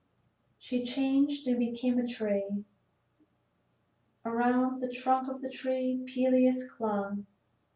She changed and became a tree. Around the trunk of the tree Peleus clung.